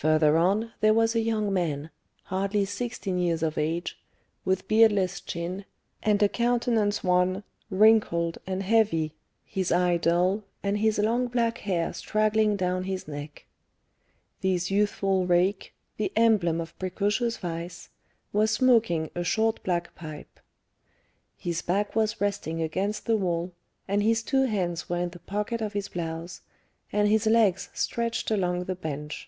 Further on there was a young man, hardly sixteen years of age, with beardless chin, and a countenance wan, wrinkled, and heavy, his eye dull, and his long black hair straggling down his neck. This youthful rake, the emblem of precocious vice, was smoking a short black pipe. His back was resting against the wall, and his two hands were in the pockets of his blouse, and his legs stretched along the bench.